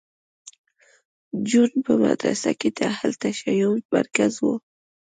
جون په مدرسه کې د اهل تشیع مرکز و